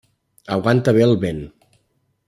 Aguanta bé el vent.